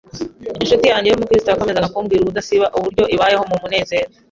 Incuti yanjye y’umukristo yakomezaga kumbwira ubudasiba uburyo ibayeho mu munezero